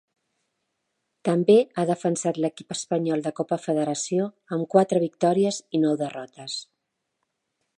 També ha defensat l'equip espanyol de Copa Federació amb quatre victòries i nou derrotes.